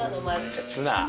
じゃあツナ。